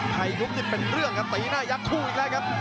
ยุบนี่เป็นเรื่องครับตีหน้ายักษ์คู่อีกแล้วครับ